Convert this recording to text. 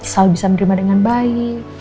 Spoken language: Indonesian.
selalu bisa menerima dengan baik